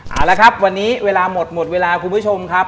เอาละครับวันนี้เวลาหมดหมดเวลาคุณผู้ชมครับ